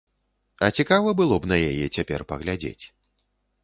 А цікава было б на яе цяпер паглядзець.